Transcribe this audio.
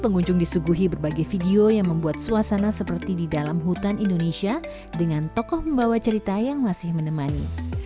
pengunjung disuguhi berbagai video yang membuat suasana seperti di dalam hutan indonesia dengan tokoh membawa cerita yang masih menemani